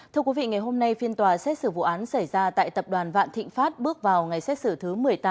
thưa quý vị ngày hôm nay phiên tòa xét xử vụ án xảy ra tại tập đoàn vạn thịnh pháp bước vào ngày xét xử thứ một mươi tám